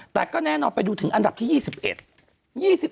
แต่ก็แน่นอนไปดูถึงอันดับที่๒๑